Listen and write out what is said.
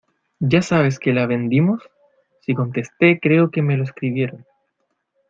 ¿Ya sabes que la vendimos? sí contesté creo que me lo escribieron.